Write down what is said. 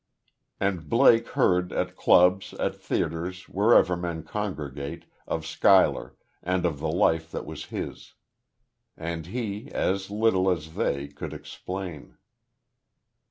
And Blake heard, at clubs, at theatres, wherever men congregate, of Schuyler, and of the life that was his. And he, as little as they, could explain.